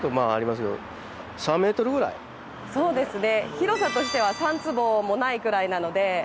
広さとしては３坪もないくらいなので。